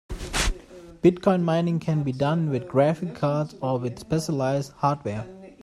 Bitcoin mining can be done with graphic cards or with specialized hardware.